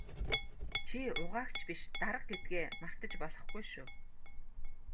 Чи угаагч биш дарга гэдгээ мартаж болохгүй шүү.